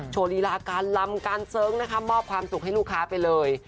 โชว์ลีลาการลำการเสิร์งนะคะมอบความสุขให้ลูกค้าไปเลย